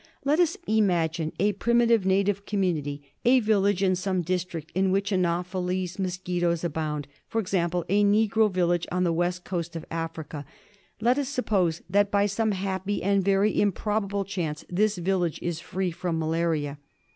••••••• I Let us imagine a primitive native community — a village in some district in which anopheles mosquitoes abound ; for example, a negro village on the West Coast of Africa. Let us suppose that by some happy and very improbable chance this village is free from malaria.